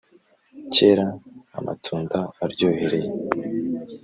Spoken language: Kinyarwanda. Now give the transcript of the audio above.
kera amatunda aryohereye,